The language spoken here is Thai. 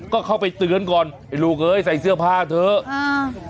ก็เข้าไปเตือนก่อนไอ้ลูกเอ้ยใส่เสื้อผ้าเถอะอ่า